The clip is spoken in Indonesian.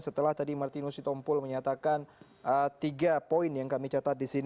setelah tadi martinus ditompul menyatakan tiga poin yang kami catakan